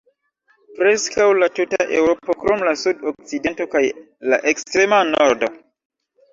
Preskaŭ la tuta Eŭropo krom la sud-okcidento kaj la ekstrema nordo.